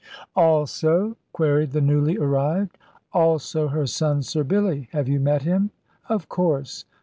"Also?" queried the newly arrived. "Also her son, Sir Billy. Have you met him? Of course!